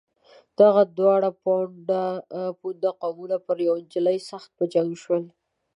دغه دواړه پوونده قومونه پر یوې نجلۍ سخت په جنګ شول.